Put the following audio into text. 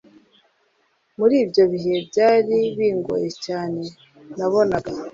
muri ibyo bihe byari bingoye cyane nabonaga